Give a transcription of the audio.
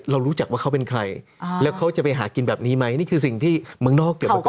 เรารู้จักว่าเขาเป็นใครแล้วเขาจะไปหากินแบบนี้ไหมนี่คือสิ่งที่เมืองนอกเกี่ยวมาก่อน